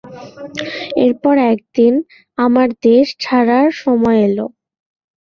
এরপর একদিন, আমার দেশ ছাড়ার সময় এলো।